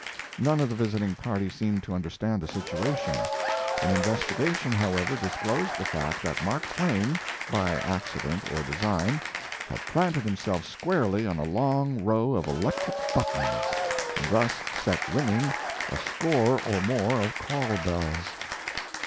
None of the visiting party seemed to understand the situation. An investigation, however, disclosed the fact that Mark Twain, by accident or design, had planted himself squarely on a long His Life and Work. 153 row of electric buttons, and thus set ring, ing a score or more of call bells.